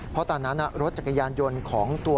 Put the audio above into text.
เพราะตอนนั้นรถจักรยานยนต์ของตัว